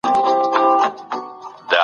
هغه د خپل ژوند ټول مشکلات په صبر سره تیر کړل.